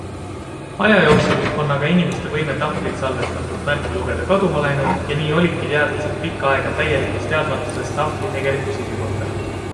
Aja jooksul on aga inimeste võime tahvlil salvestatud märke lugeda kaduma läinud ja nii olidki teadlased pikka aega täilikus teadmatuses tahvli tegeliku sisu kohta.